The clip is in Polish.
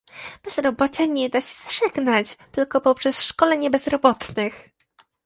Bezrobocia nie da się zażegnać tylko poprzez szkolenie bezrobotnych